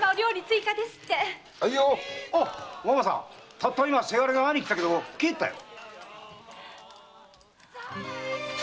たった今伜が会いに来たけど帰ったよ。